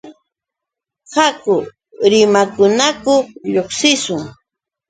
Haku rimanakuq lluqsishun.